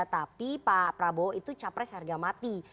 tapi pak prabowo itu capres harga mati